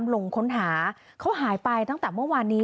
ลงค้นหาเขาหายไปตั้งแต่เมื่อวานนี้